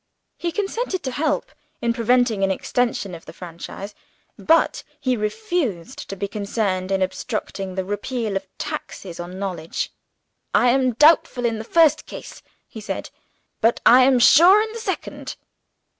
He consented to help in preventing an extension of the franchise; but he refused to be concerned in obstructing the repeal of taxes on knowledge. "I am doubtful in the first case," he said, "but I am sure in the second."